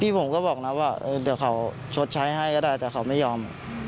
ผมก็บอกนะว่าเดี๋ยวเขาชดใช้ให้ก็ได้แต่เขาไม่ยอม